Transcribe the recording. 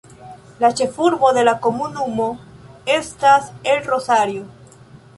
La ĉefurbo de la komunumo estas El Rosario.